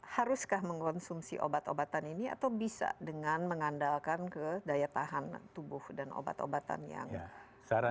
haruskah mengkonsumsi obat obatan ini atau bisa dengan mengandalkan ke daya tahan tubuh dan obat obatan yang